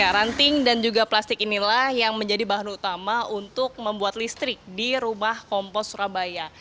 ranting dan juga plastik inilah yang menjadi bahan utama untuk membuat listrik di rumah kompos surabaya